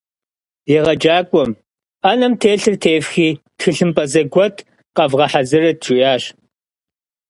Егъэджакӏуэм «ӏэнэм телъыр тефхи, тхылъымпӏэ зэгуэт къэвгъэхьэзырыт» жиӏащ.